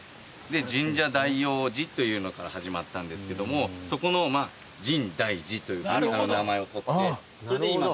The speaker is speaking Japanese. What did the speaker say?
深沙大王寺というのから始まったんですけどもそこのまぁ深大寺というふうに名前を取ってそれで今の深大寺が。